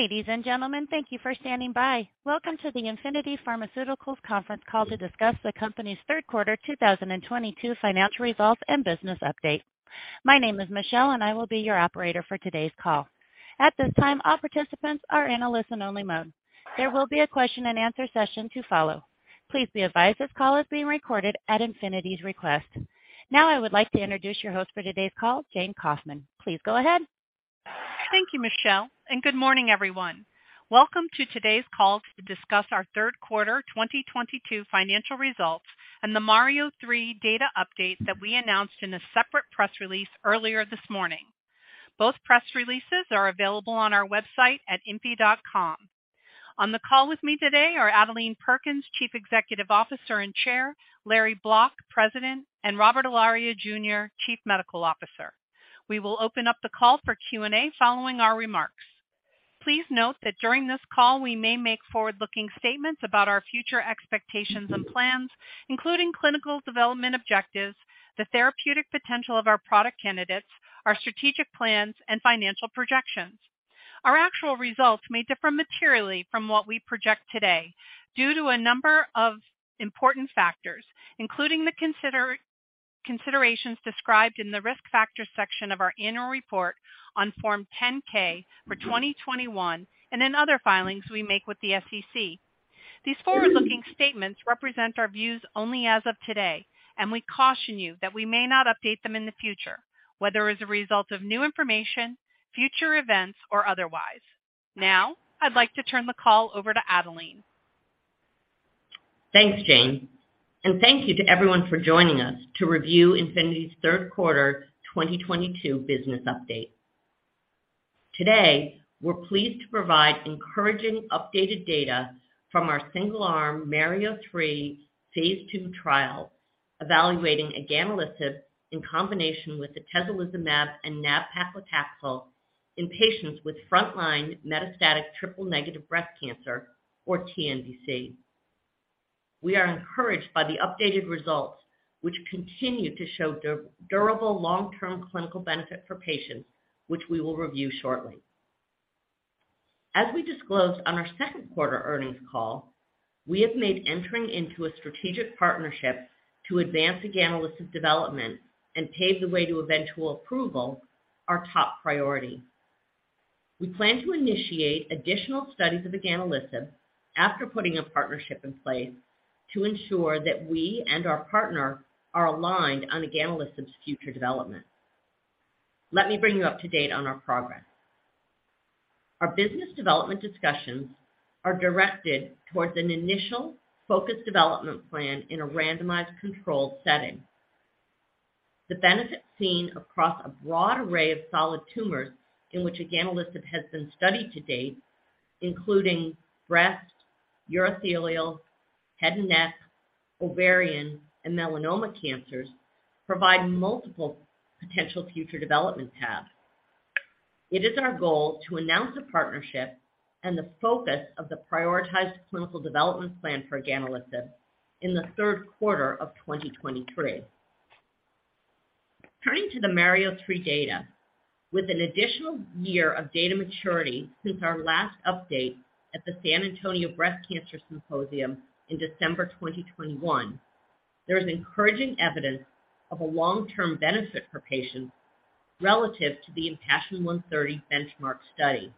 Ladies and gentlemen, thank you for standing by. Welcome to the Infinity Pharmaceuticals conference call to discuss the company's third quarter 2022 financial results and business update. My name is Michelle, and I will be your operator for today's call. At this time, all participants are in a listen-only mode. There will be a question and answer session to follow. Please be advised this call is being recorded at Infinity's request. Now I would like to introduce your host for today's call, Jayne Kauffman. Please go ahead. Thank you, Michelle, and good morning, everyone. Welcome to today's call to discuss our third quarter 2022 financial results and the MARIO-3 data update that we announced in a separate press release earlier this morning. Both press releases are available on our website at infi.com. On the call with me today are Adelene Perkins, Chief Executive Officer and Chair, Lawrence Bloch, President, and Robert Ilaria, Jr., Chief Medical Officer. We will open up the call for Q&A following our remarks. Please note that during this call, we may make forward-looking statements about our future expectations and plans, including clinical development objectives, the therapeutic potential of our product candidates, our strategic plans, and financial projections. Our actual results may differ materially from what we project today due to a number of important factors, including the considerations described in the Risk Factors section of our annual report on Form 10-K for 2021 and in other filings we make with the SEC. These forward-looking statements represent our views only as of today, and we caution you that we may not update them in the future, whether as a result of new information, future events, or otherwise. Now, I'd like to turn the call over to Adelene. Thanks, Jayne, and thank you to everyone for joining us to review Infinity's third quarter 2022 business update. Today, we're pleased to provide encouraging updated data from our single-arm MARIO-3 phase 2 trial evaluating Eganelisib in combination with atezolizumab and nab-paclitaxel in patients with frontline metastatic triple-negative breast cancer, or TNBC. We are encouraged by the updated results, which continue to show durable long-term clinical benefit for patients, which we will review shortly. As we disclosed on our second quarter earnings call, we have made entering into a strategic partnership to advance Eganelisib development and pave the way to eventual approval our top priority. We plan to initiate additional studies of Eganelisib after putting a partnership in place to ensure that we and our partner are aligned on Eganelisib's future development. Let me bring you up to date on our progress. Our business development discussions are directed towards an initial focused development plan in a randomized controlled setting. The benefit seen across a broad array of solid tumors in which Eganelisib has been studied to date, including breast, urothelial, head and neck, ovarian, and melanoma cancers, provide multiple potential future development paths. It is our goal to announce a partnership and the focus of the prioritized clinical development plan for Eganelisib in the third quarter of 2023. Turning to the MARIO-3 data. With an additional year of data maturity since our last update at the San Antonio Breast Cancer Symposium in December 2021, there is encouraging evidence of a long-term benefit for patients relative to the IMpassion130 benchmark study.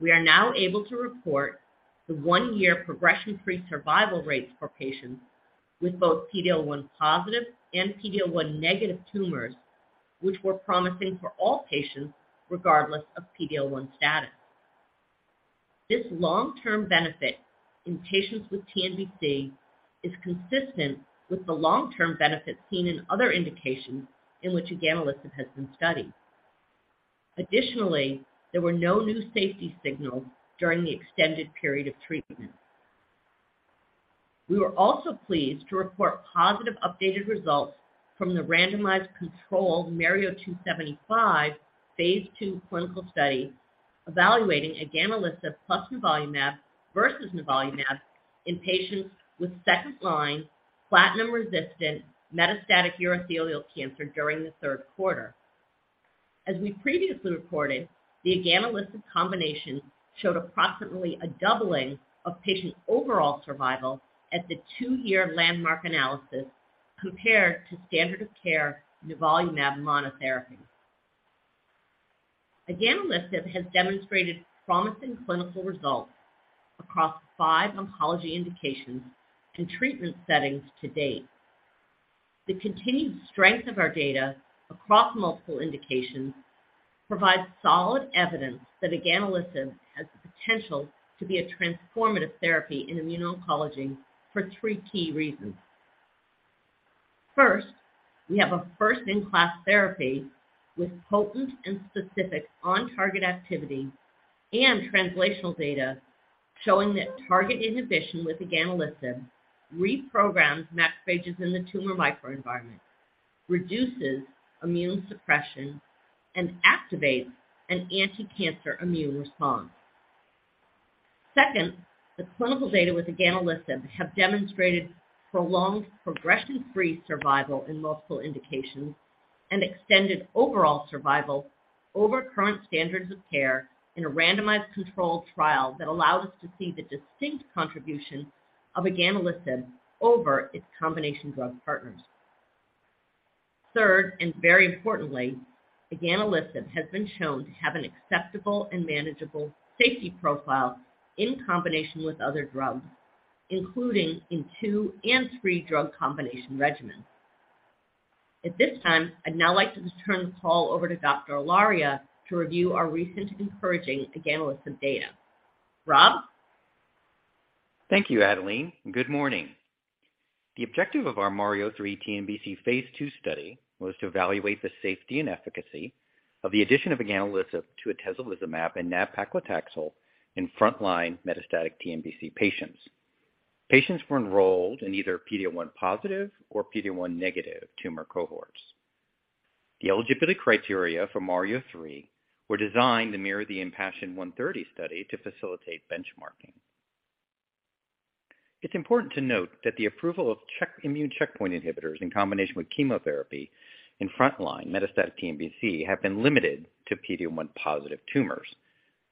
We are now able to report the one-year progression-free survival rates for patients with both PD-L1 positive and PD-L1 negative tumors, which were promising for all patients regardless of PD-L1 status. This long-term benefit in patients with TNBC is consistent with the long-term benefit seen in other indications in which Eganelisib has been studied. Additionally, there were no new safety signals during the extended period of treatment. We were also pleased to report positive updated results from the randomized controlled MARIO-275 phase 2 clinical study evaluating Eganelisib plus nivolumab versus nivolumab in patients with second-line platinum-resistant metastatic urothelial cancer during the third quarter. As we previously reported, the Eganelisib combination showed approximately a doubling of patient overall survival at the two-year landmark analysis compared to standard of care nivolumab monotherapy. Eganelisib has demonstrated promising clinical results across five oncology indications and treatment settings to date. The continued strength of our data across multiple indications provides solid evidence that Eganelisib has the potential to be a transformative therapy in immuno-oncology for three key reasons. First, we have a first-in-class therapy with potent and specific on-target activity and translational data showing that target inhibition with Eganelisib reprograms macrophages in the tumor microenvironment, reduces immune suppression, and activates an anticancer immune response. Second, the clinical data with Eganelisib have demonstrated prolonged progression-free survival in multiple indications and extended overall survival over current standards of care in a randomized controlled trial that allowed us to see the distinct contribution of Eganelisib over its combination drug partners. Third, and very importantly, Eganelisib has been shown to have an acceptable and manageable safety profile in combination with other drugs, including in two and three drug combination regimens. At this time, I'd now like to turn the call over to Dr. Ilaria to review our recent encouraging Eganelisib data. Rob? Thank you, Adelene. Good morning. The objective of our MARIO-3 TNBC phase 2 study was to evaluate the safety and efficacy of the addition of Eganelisib to atezolizumab and nab-paclitaxel in frontline metastatic TNBC patients. Patients were enrolled in either PD-L1 positive or PD-L1 negative tumor cohorts. The eligibility criteria for MARIO-3 were designed to mirror the IMpassion130 study to facilitate benchmarking. It's important to note that the approval of immune checkpoint inhibitors in combination with chemotherapy in frontline metastatic TNBC have been limited to PD-L1 positive tumors.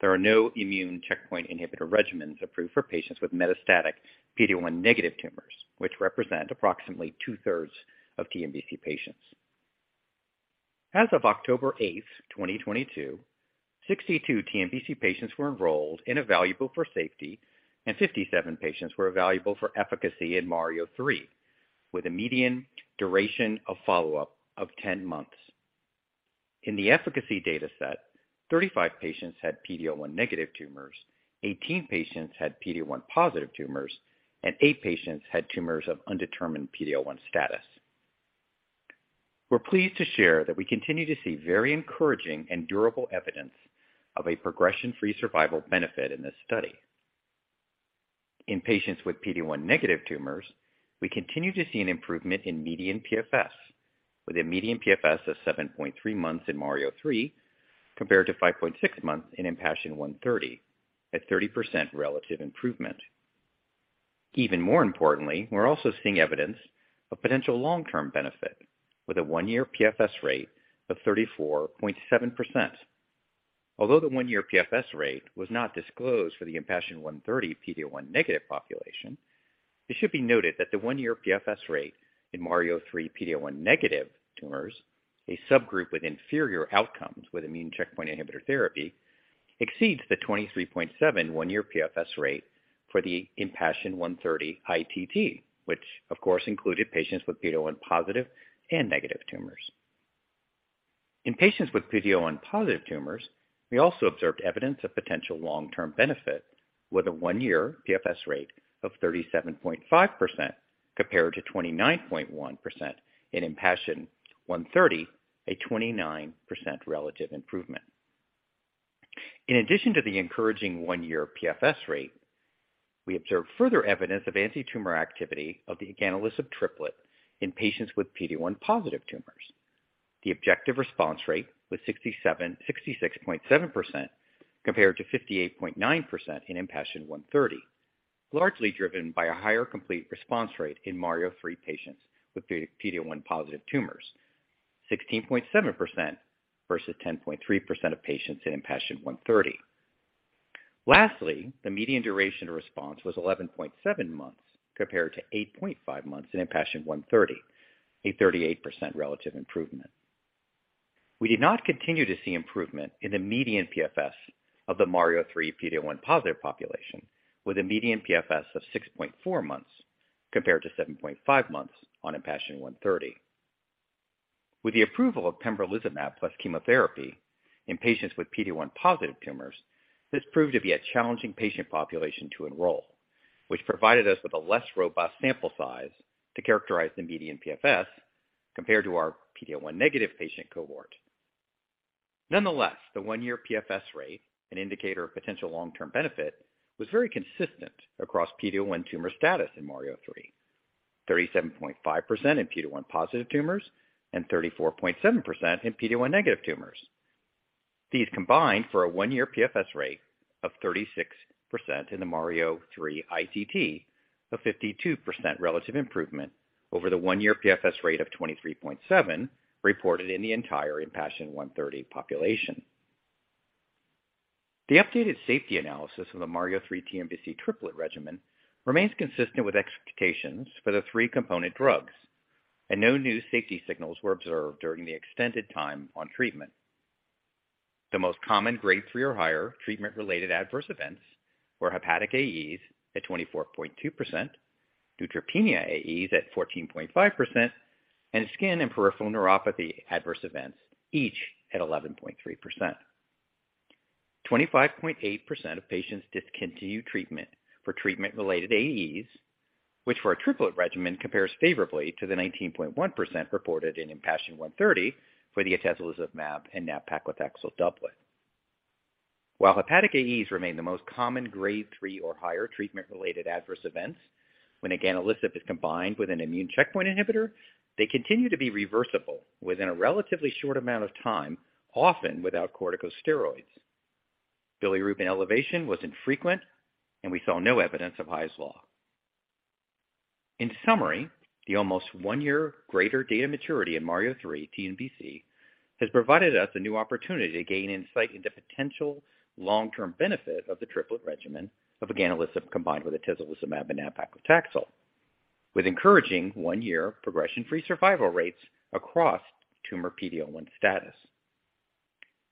There are no immune checkpoint inhibitor regimens approved for patients with metastatic PD-L1 negative tumors, which represent approximately two-thirds of TNBC patients. As of October 8, 2022, 62 TNBC patients were enrolled and evaluable for safety, and 57 patients were evaluable for efficacy in MARIO-3, with a median duration of follow-up of 10 months. In the efficacy data set, 35 patients had PD-L1 negative tumors, 18 patients had PD-L1 positive tumors, and 8 patients had tumors of undetermined PD-L1 status. We're pleased to share that we continue to see very encouraging and durable evidence of a progression-free survival benefit in this study. In patients with PD-L1 negative tumors, we continue to see an improvement in median PFS with a median PFS of 7.3 months in MARIO-3 compared to 5.6 months in IMpassion130 at 30% relative improvement. Even more importantly, we're also seeing evidence of potential long-term benefit with a one-year PFS rate of 34.7%. Although the 1-year PFS rate was not disclosed for the IMpassion130 PD-L1 negative population, it should be noted that the 1-year PFS rate in MARIO-3 PD-L1 negative tumors, a subgroup with inferior outcomes with immune checkpoint inhibitor therapy, exceeds the 23.7 1-year PFS rate for the IMpassion130 ITT, which of course included patients with PD-L1 positive and negative tumors. In patients with PD-L1 positive tumors, we also observed evidence of potential long-term benefit with a 1-year PFS rate of 37.5% compared to 29.1% in IMpassion130, a 29% relative improvement. In addition to the encouraging 1-year PFS rate, we observed further evidence of antitumor activity of the Eganelisib triplet in patients with PD-L1 positive tumors. The objective response rate was 66.7% compared to 58.9% in IMpassion130, largely driven by a higher complete response rate in MARIO-3 patients with PD-L1 positive tumors, 16.7% versus 10.3% of patients in IMpassion130. Lastly, the median duration of response was 11.7 months compared to 8.5 months in IMpassion130, a 38% relative improvement. We did not continue to see improvement in the median PFS of the MARIO-3 PD-L1 positive population with a median PFS of 6.4 months compared to 7.5 months on IMpassion130. With the approval of pembrolizumab plus chemotherapy in patients with PD-L1 positive tumors, this proved to be a challenging patient population to enroll, which provided us with a less robust sample size to characterize the median PFS compared to our PD-L1 negative patient cohort. Nonetheless, the one-year PFS rate, an indicator of potential long-term benefit, was very consistent across PD-L1 tumor status in MARIO-3, 37.5% in PD-L1 positive tumors and 34.7% in PD-L1 negative tumors. These combined for a one-year PFS rate of 36% in the MARIO-3 ITT, a 52% relative improvement over the one-year PFS rate of 23.7 reported in the entire IMpassion130 population. The updated safety analysis of the MARIO-3 TNBC triplet regimen remains consistent with expectations for the three component drugs. No new safety signals were observed during the extended time on treatment. The most common grade 3 or higher treatment-related adverse events were hepatic AEs at 24.2%, neutropenia AEs at 14.5%, and skin and peripheral neuropathy adverse events each at 11.3%. 25.8% of patients discontinued treatment for treatment-related AEs, which for a triplet regimen compares favorably to the 19.1% reported in IMpassion130 for the atezolizumab and nab-paclitaxel doublet. While hepatic AEs remain the most common grade 3 or higher treatment-related adverse events, when Eganelisib is combined with an immune checkpoint inhibitor, they continue to be reversible within a relatively short amount of time, often without corticosteroids. Bilirubin elevation was infrequent, and we saw no evidence of Hy's law. In summary, the almost 1-year greater data maturity in MARIO-3 TNBC has provided us a new opportunity to gain insight into potential long-term benefit of the triplet regimen of Eganelisib combined with atezolizumab and nab-paclitaxel, with encouraging 1-year progression-free survival rates across tumor PD-L1 status.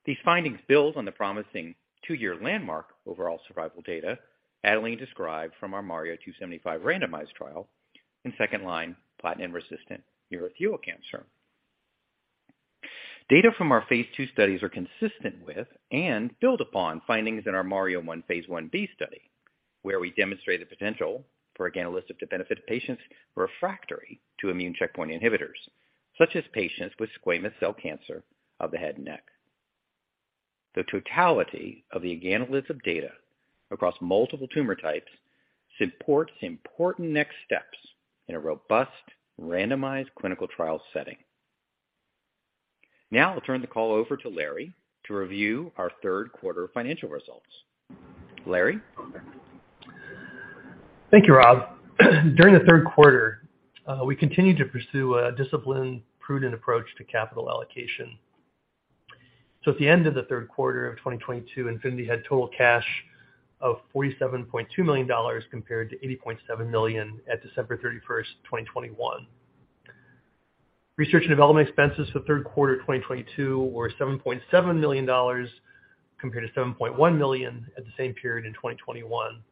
These findings build on the promising 2-year landmark overall survival data Adelene described from our MARIO-275 randomized trial in second-line platinum-resistant urothelial cancer. Data from our phase 2 studies are consistent with and build upon findings in our MARIO-1 phase 1b study, where we demonstrate the potential for Eganelisib to benefit patients refractory to immune checkpoint inhibitors, such as patients with squamous cell cancer of the head and neck. The totality of the Eganelisib data across multiple tumor types supports important next steps in a robust randomized clinical trial setting. Now I'll turn the call over to Larry to review our third quarter financial results. Larry? Thank you, Rob. During the third quarter, we continued to pursue a disciplined, prudent approach to capital allocation. At the end of the third quarter of 2022, Infinity had total cash of $47.2 million compared to $80.7 million at December 31, 2021. Research and development expenses for the third quarter of 2022 were $7.7 million compared to $7.1 million at the same period in 2021.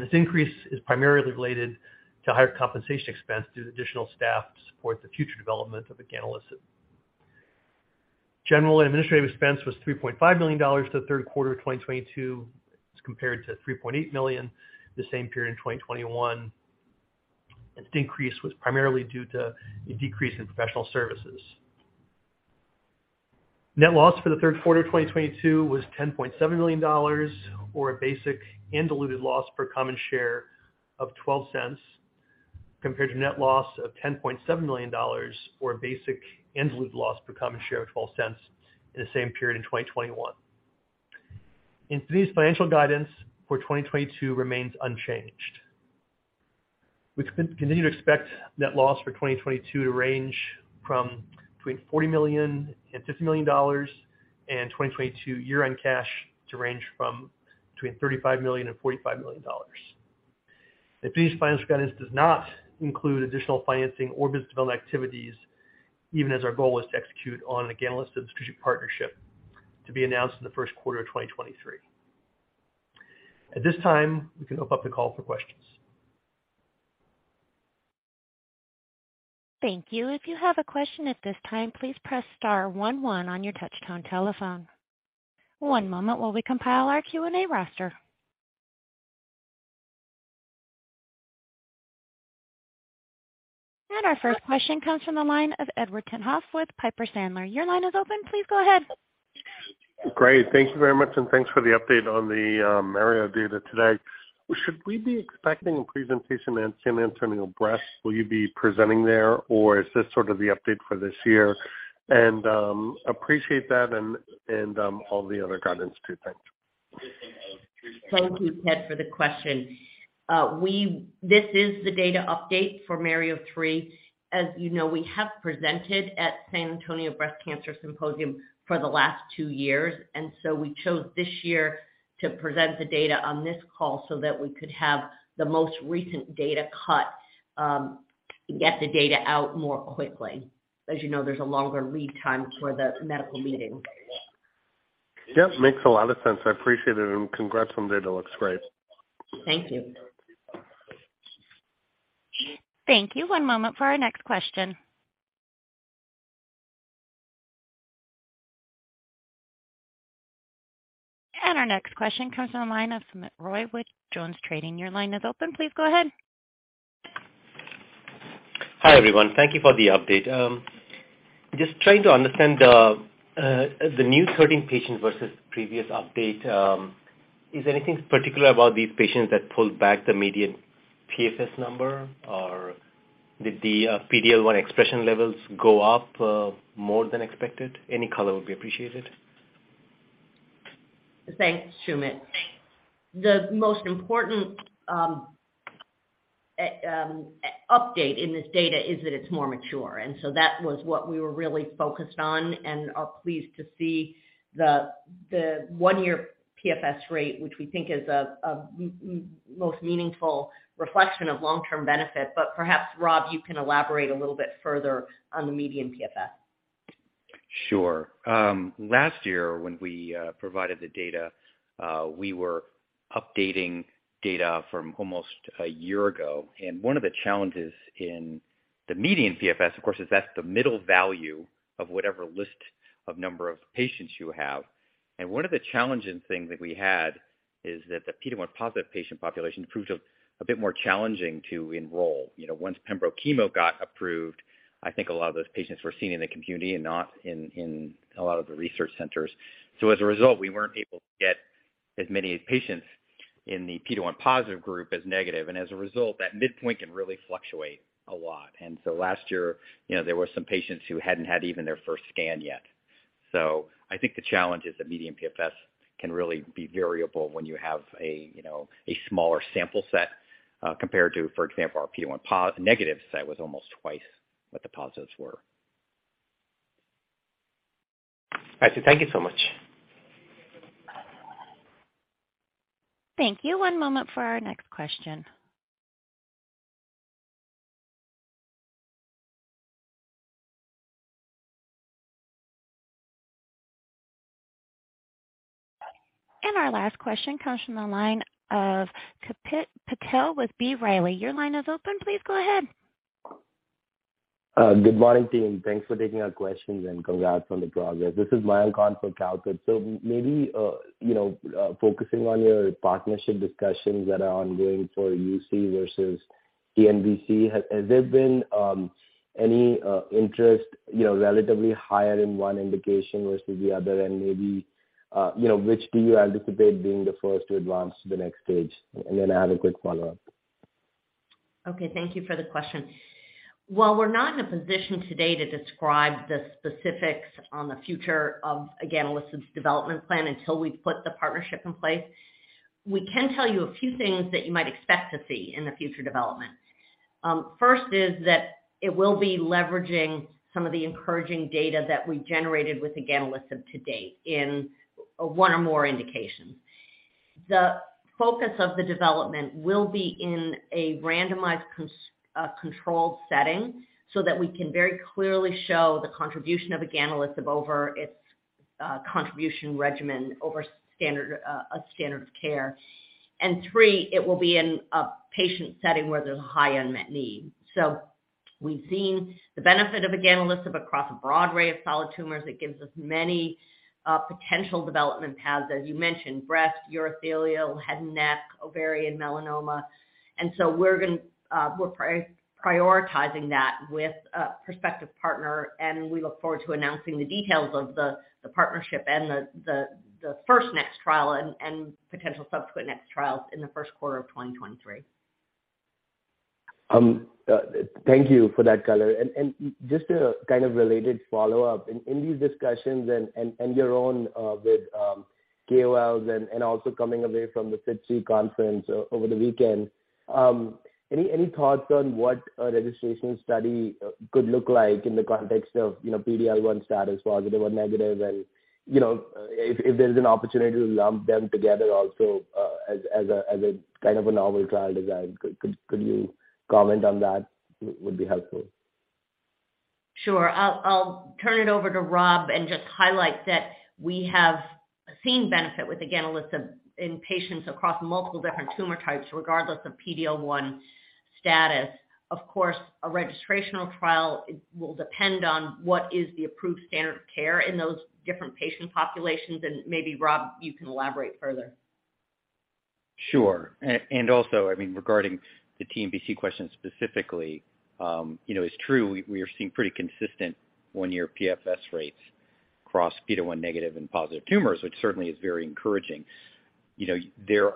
This increase is primarily related to higher compensation expense due to additional staff to support the future development of Eganelisib. General and administrative expense was $3.5 million for the third quarter of 2022 as compared to $3.8 million the same period in 2021. This decrease was primarily due to a decrease in professional services. Net loss for the third quarter of 2022 was $10.7 million or a basic and diluted loss per common share of $0.12, compared to net loss of $10.7 million or basic and diluted loss per common share of $0.12 in the same period in 2021. Infinity's financial guidance for 2022 remains unchanged. We continue to expect net loss for 2022 to range from between $40 million and $50 million and 2022 year-end cash to range from between $35 million and $45 million. Infinity's financial guidance does not include additional financing or business development activities, even as our goal is to execute on an Eganelisib strategic partnership to be announced in the first quarter of 2023. At this time, we can open up the call for questions. Thank you. If you have a question at this time, please press star one one on your touchtone telephone. One moment while we compile our Q&A roster. Our first question comes from the line of Edward Tenthoff with Piper Sandler. Your line is open. Please go ahead. Great. Thank you very much, and thanks for the update on the MARIO data today. Should we be expecting a presentation at San Antonio Breast? Will you be presenting there, or is this sort of the update for this year? Appreciate that and all the other guidance too. Thanks. Thank you, Ed, for the question. This is the data update for MARIO-3. As you know, we have presented at San Antonio Breast Cancer Symposium for the last two years, and so we chose this year to present the data on this call so that we could have the most recent data cut, get the data out more quickly. As you know, there's a longer lead time for the medical meeting. Makes a lot of sense. I appreciate it, and congrats on the data. Looks great. Thank you. Thank you. One moment for our next question. Our next question comes on the line of Soumit Roy with JonesTrading. Your line is open. Please go ahead. Hi, everyone. Thank you for the update. Just trying to understand the new 13 patients versus previous update. Is there anything particular about these patients that pulled back the median PFS number? Or did the PD-L1 expression levels go up more than expected? Any color would be appreciated. Thanks, Soumit. The most important update in this data is that it's more mature, and so that was what we were really focused on and are pleased to see the one-year PFS rate, which we think is a most meaningful reflection of long-term benefit. Perhaps, Rob, you can elaborate a little bit further on the median PFS. Sure. Last year when we provided the data, we were updating data from almost a year ago. One of the challenges in the median PFS, of course, is that's the middle value of whatever list of number of patients you have. One of the challenging things that we had is that the PD-L1-positive patient population proved a bit more challenging to enroll. You know, once pembro chemo got approved, I think a lot of those patients were seen in the community and not in a lot of the research centers. So as a result, we weren't able to get as many patients in the PD-L1 positive group as negative. As a result, that midpoint can really fluctuate a lot. Last year, you know, there were some patients who hadn't had even their first scan yet. I think the challenge is that median PFS can really be variable when you have a, you know, a smaller sample set compared to, for example, our PD-L1 negative set was almost twice what the positives were. I see. Thank you so much. Thank you. One moment for our next question. Our last question comes from the line of Kalpit Patel with B. Riley. Your line is open. Please go ahead. Good morning, team. Thanks for taking our questions, and congrats on the progress. This is Mayank Mamtani for TD Cowen. Maybe, you know, focusing on your partnership discussions that are ongoing for UC versus TNBC, has there been any, you know, interest, relatively higher in one indication versus the other? Maybe, you know, which do you anticipate being the first to advance to the next stage? I have a quick follow-up. Thank you for the question. While we're not in a position today to describe the specifics on the future of Eganelisib's development plan until we've put the partnership in place, we can tell you a few things that you might expect to see in the future development. First is that it will be leveraging some of the encouraging data that we generated with Eganelisib to date in one or more indications. The focus of the development will be in a randomized controlled setting so that we can very clearly show the contribution of Eganelisib to the combination regimen over a standard of care. Three, it will be in a patient setting where there's a high unmet need. We've seen the benefit of Eganelisib across a broad array of solid tumors. It gives us many potential development paths, as you mentioned, breast, urothelial, head and neck, ovarian, melanoma. We're gonna prioritize that with a prospective partner, and we look forward to announcing the details of the partnership and the first next trial and potential subsequent next trials in the first quarter of 2023. Thank you for that color. Just a kind of related follow-up. In these discussions and your own with KOLs and also coming away from the SITC conference over the weekend, any thoughts on what a registrational study could look like in the context of, you know, PD-L1 status, positive or negative? You know, if there's an opportunity to lump them together also, as a kind of a novel trial design, could you comment on that would be helpful? Sure. I'll turn it over to Rob and just highlight that we have seen benefit with Eganelisib in patients across multiple different tumor types, regardless of PD-L1 status. Of course, a registrational trial will depend on what is the approved standard of care in those different patient populations. Maybe, Rob, you can elaborate further. Sure. Also, I mean, regarding the TNBC question specifically, you know, it's true, we are seeing pretty consistent 1-year PFS rates across PD-L1 negative and positive tumors, which certainly is very encouraging. You know,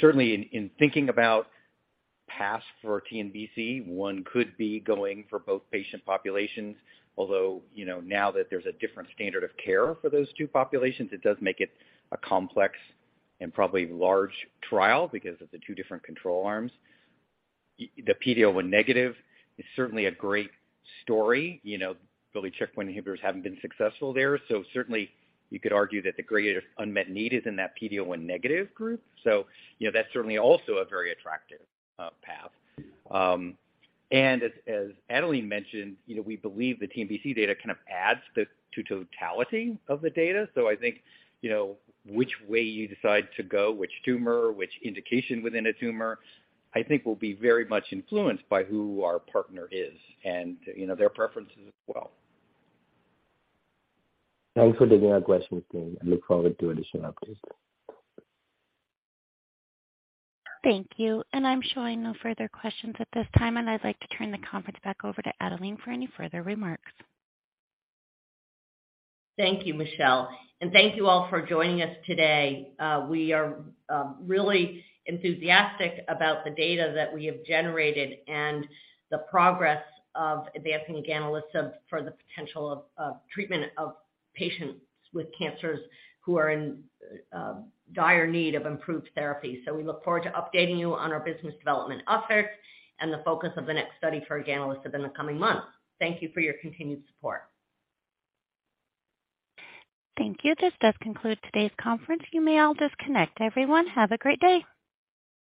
certainly in thinking about paths for TNBC, one could be going for both patient populations. Although, you know, now that there's a different standard of care for those two populations, it does make it a complex and probably large trial because of the two different control arms., the PD-L1 negative is certainly a great story. You know, really checkpoint inhibitors haven't been successful there. Certainly you could argue that the greatest unmet need is in that PD-L1 negative group. You know, that's certainly also a very attractive path. As Adelene mentioned, you know, we believe the TNBC data kind of adds to the totality of the data. I think, you know, which way you decide to go, which tumor, which indication within a tumor, I think will be very much influenced by who our partner is and, you know, their preferences as well. Thanks for taking our questions today. I look forward to additional updates. Thank you. I'm showing no further questions at this time, and I'd like to turn the conference back over to Adelene for any further remarks. Thank you, Michelle. Thank you all for joining us today. We are really enthusiastic about the data that we have generated and the progress of advancing Eganelisib for the potential of treatment of patients with cancers who are in dire need of improved therapy. We look forward to updating you on our business development efforts and the focus of the next study for Eganelisib in the coming months. Thank you for your continued support. Thank you. This does conclude today's conference. You may all disconnect, everyone. Have a great day.